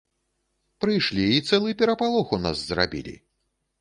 Прышлі і цэлы перапалох у нас зрабілі.